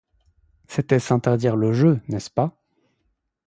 C'était s'interdire le jeu, n'est-ce pas?